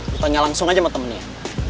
lo tanya langsung aja sama temennya